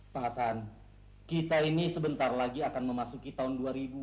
pak hasan kita ini sebentar lagi akan memasuki tahun dua ribu dua puluh